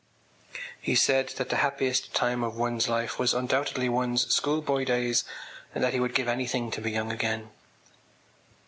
He said that the happiest time of one’s life was undoubtedly one’s schoolboy days and that he would give anything to be young again.